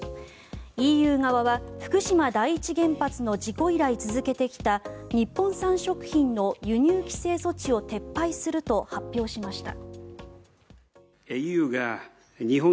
ＥＵ側は福島第一原発の事故以来続けてきた日本産食品の輸入規制措置を撤廃すると発表しました。